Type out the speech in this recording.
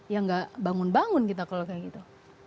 ya nggak bangun bangun kita kalau kayak gitu